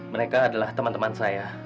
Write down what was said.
mereka adalah teman teman saya